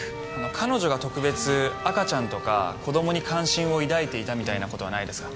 彼女が特別赤ちゃんとか子供に関心を抱いていたみたいな事はないですか？